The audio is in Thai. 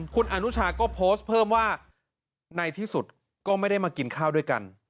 คุณอนุชาก็โพสต์เพิ่มว่าในที่สุดก็ไม่ได้มากินข้าวด้วยกัน